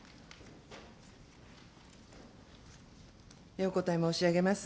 お答え申し上げます。